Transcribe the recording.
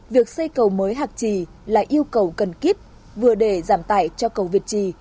việc xây cầu mới hạc trì là yêu cầu cần kíp vừa để giảm tải cho cầu việt trì